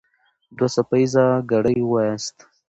دوه څپه ايزه ګړې وواياست.